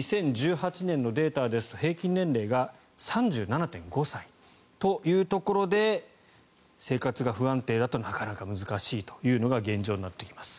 ２０１８年のデータですと平均年齢が３７．５歳というところで生活が不安定だとなかなか難しいというのが現状になってきます。